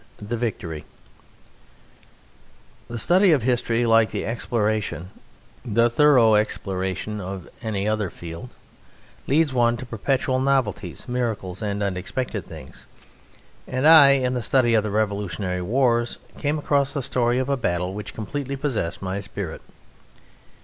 The Victory The study of history, like the exploration, the thorough exploration, of any other field, leads one to perpetual novelties, miracles, and unexpected things; and I, in the study of the revolutionary wars, came across the story of a battle which completely possessed my spirit.